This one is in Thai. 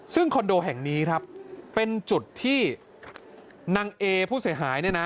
ซึ่งคอนโดแห่งนี้ครับเป็นจุดที่นางเอผู้เสียหายเนี่ยนะ